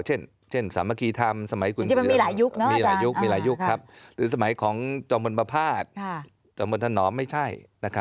เช่นสามัคคีทำสมัยคุณพุทธหรือสมัยของจอมพลปภาษณ์จอมพลธนรมไม่ใช่